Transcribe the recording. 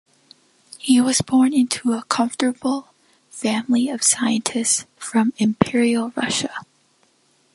He was born into a comfortable family of scientists from Imperial Russia.